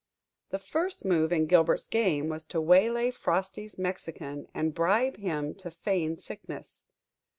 The first move in Gilbert's game was to waylay Frosty's Mexican, and bribe him to feign sickness.